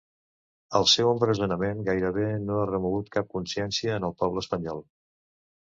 El seu empresonament gairebé no ha remogut cap consciència en el poble espanyol.